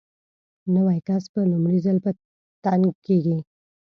نوی کس په لومړي ځل په تنګ کېږي.